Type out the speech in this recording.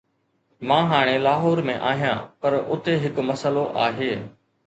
مان هاڻي لاهور ۾ آهيان، پر اتي هڪ مسئلو آهي.